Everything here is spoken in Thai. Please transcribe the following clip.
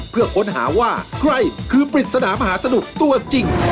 เพื่อค้นหาว่าใครคือปริศนามหาสนุกตัวจริง